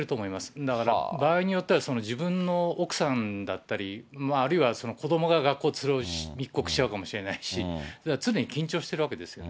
だから場合によっては、自分の奥さんだったり、あるいは、子どもが学校に密告しちゃうかもしれないし、常に緊張してるわけですよね。